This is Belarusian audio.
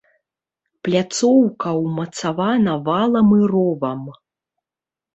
Пляцоўка ўмацавана валам і ровам.